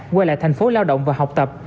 quay lại thành phố lao động và học tập